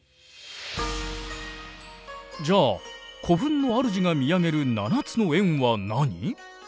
じゃあ古墳の主が見上げる７つの円は何？